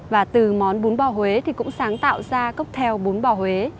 và từ món bún bò huế thì cũng sáng tạo ra cocktail bún bò huế